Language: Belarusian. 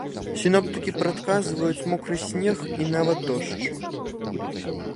Сіноптыкі прадказваюць мокры снег і нават дождж.